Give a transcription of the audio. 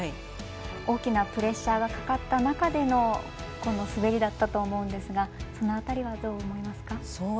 大きなプレッシャーがかかった中でのこの滑りだったと思うんですがその辺りはどう思いますか？